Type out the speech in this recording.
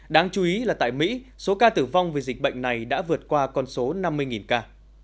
đáng chú ý là tại mỹ số ca tử vong vì dịch bệnh này đã vượt qua con số năm mươi ca